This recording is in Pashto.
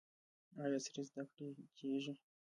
آیا عصري زده کړې کیږي؟